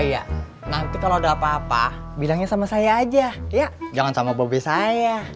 iya nanti kalau udah apa apa bidangnya sama saya aja ya jangan sama bobi saya